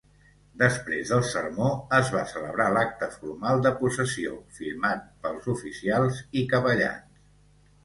Després del sermó es va celebrar l'acte formal de possessió, firmat pels oficials i capellans.